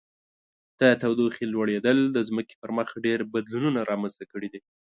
د تودوخې لوړیدل د ځمکې پر مخ ډیر بدلونونه رامنځته کړي دي.